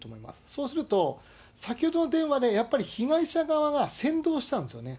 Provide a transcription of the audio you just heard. そうすると、先ほどの電話で、やっぱり被害者側が先導したんですよね。